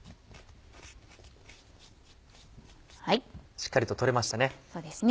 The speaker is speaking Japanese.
しっかりと取れましたね。